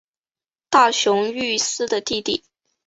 大熊裕司的弟弟。